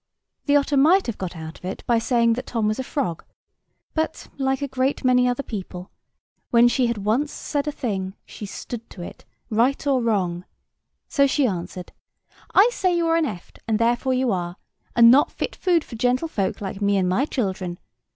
The otter might have got out of it by saying that Tom was a frog: but, like a great many other people, when she had once said a thing, she stood to it, right or wrong; so she answered: "I say you are an eft, and therefore you are, and not fit food for gentlefolk like me and my children.